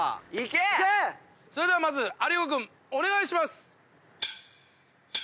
それではまず有岡君お願いします！